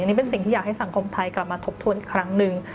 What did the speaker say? นี่เป็นสิ่งที่อยากให้สังคมไทยกลับมาทบทวนอีกครั้งหนึ่ง